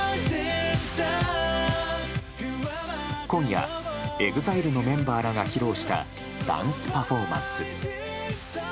今夜、ＥＸＩＬＥのメンバーらが披露したダンスパフォーマンス。